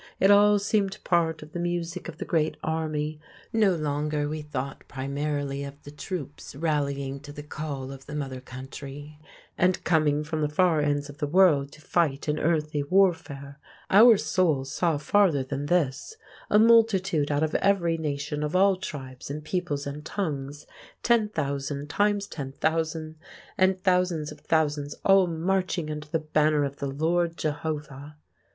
It all seemed part of the music of the Great Army. No longer we thought primarily of the troops rallying to the call of the Mother Country and coming from the far ends of the world to fight in earthly warfare; our souls saw farther than this—a multitude out of every nation of all tribes and peoples and tongues, ten thousand times ten thousand, and thousands of thousands, all marching under the banner of the Lord Jehovah.